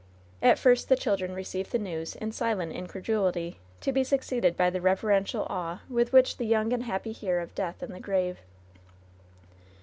At first the children received the news in silent in credulity, to be succeeded by the reverential awe with which the young and happy hear of death and the grave.